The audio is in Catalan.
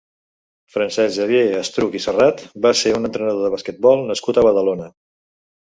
Francesc Xavier Estruch i Serrat va ser un entrenador de basquetbol nascut a Badalona.